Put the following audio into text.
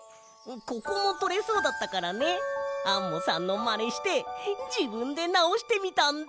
ここもとれそうだったからねアンモさんのまねしてじぶんでなおしてみたんだ！